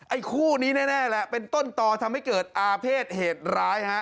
คู่นี้แน่แหละเป็นต้นต่อทำให้เกิดอาเภษเหตุร้ายฮะ